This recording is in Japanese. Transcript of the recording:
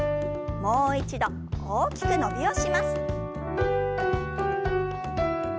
もう一度大きく伸びをします。